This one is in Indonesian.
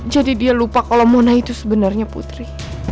jadi dia lupa kalau mona itu sebenarnya putri